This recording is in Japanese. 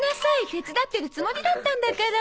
手伝ってるつもりだったんだから。